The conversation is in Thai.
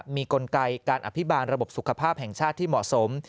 มีกลไกการอภิบาลระบบสุขภาพแห่งชาติที่เหมาะสม